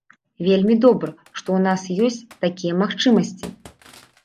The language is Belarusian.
Вельмі добра, што ў нас ёсць такія магчымасці.